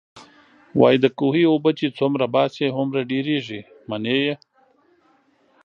وايي د کوهي اوبه چې څومره باسې، هومره ډېرېږئ. منئ يې؟